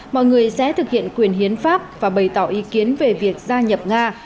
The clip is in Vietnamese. mọi người sẽ thực hiện quyền hiến pháp và bày tỏ ý kiến về việc gia nhập nga